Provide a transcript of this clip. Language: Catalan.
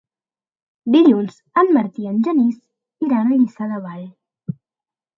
Dilluns en Martí i en Genís iran a Lliçà de Vall.